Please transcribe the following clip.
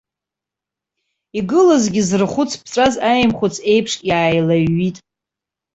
Игылазгьы зрахәыц ԥҵәаз аимхәыц еиԥш иааилаҩҩит.